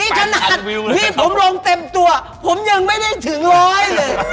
ขนาดที่ผมลงเต็มตัวผมยังไม่ได้ถึงร้อยเลย